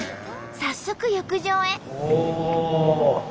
早速浴場へ。